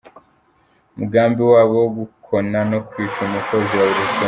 Umugambi wabo wo gukona no kwica umukozi waburijwemo